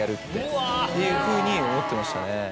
っていうふうに思ってましたね。